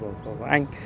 các các viện